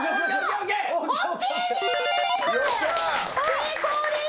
成功です。